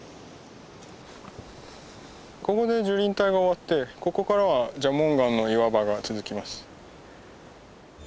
ここで樹林帯が終わってここからは蛇紋岩の岩場が続きます。